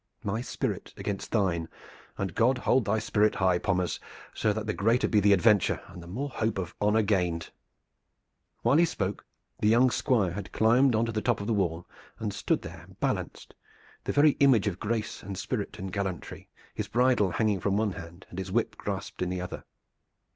My spirit against thine, and God hold thy spirit high, Pommers, so that the greater be the adventure, and the more hope of honor gained!" While he spoke the young Squire had climbed on to the top of the wall and stood there balanced, the very image of grace and spirit and gallantry, his bridle hanging from one hand and his whip grasped in the other.